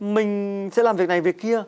mình sẽ làm việc này việc kia